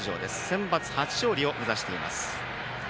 センバツ初勝利を目指しています。